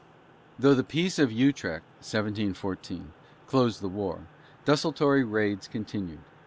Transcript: Though the Peace of Utrecht (1714) closed the war, desultory raids continued.